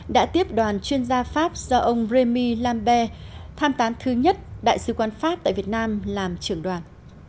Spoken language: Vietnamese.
đã tiếp đoàn chuyên gia pháp do ông rémi lambert tham tán thứ nhất đại sứ quan pháp tại việt nam làm trưởng đoàn